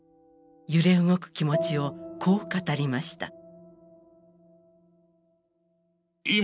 揺れ動く気持ちをこう語りました。